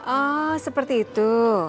oh seperti itu